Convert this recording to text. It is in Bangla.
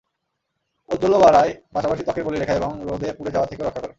ঔজ্জ্বল্য বাড়ায়, পাশাপাশি ত্বকের বলিরেখা এবং রোদে পুড়ে যাওয়া থেকেও রক্ষা করে।